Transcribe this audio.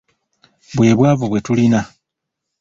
Bwe bwavu bwe tulina.